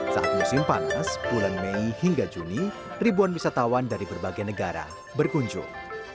saat musim panas bulan mei hingga juni ribuan wisatawan dari berbagai negara berkunjung